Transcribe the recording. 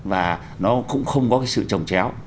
và nó cũng không có cái sự trồng chéo